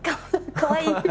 かわいい！